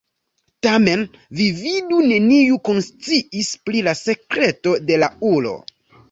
Tamen, vi vidu, neniu konsciis pri la sekreto de la ulo.